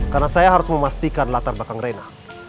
karena saya harus memastikan latar belakang rina